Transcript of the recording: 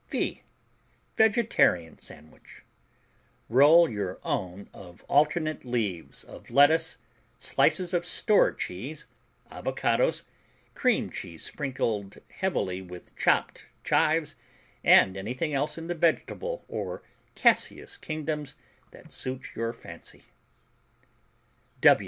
V Vegetarian Sandwich Roll your own of alternate leaves of lettuce, slices of store cheese, avocados, cream cheese sprinkled heavily with chopped chives, and anything else in the Vegetable or Caseous Kingdoms that suits your fancy.